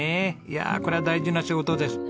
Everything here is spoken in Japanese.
いやこれは大事な仕事です。